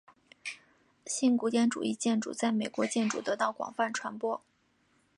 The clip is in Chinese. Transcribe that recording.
新古典主义建筑在美国建筑得到广泛传播。